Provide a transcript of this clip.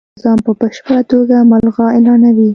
ملي جرګه خان رعیت نظام په بشپړه توګه ملغا اعلانوي.